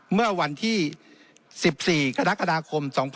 เมื่อวันที่๑๔คค๒๕๕๘